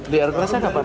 di air kerasnya kapan